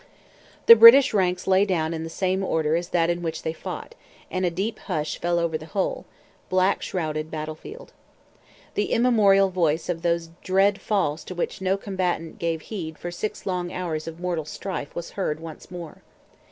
The British ranks lay down in the same order as that in which they fought; and a deep hush fell over the whole, black shrouded battlefield. The immemorial voice of those dread Falls to which no combatant gave heed for six long hours of mortal strife was heard once more.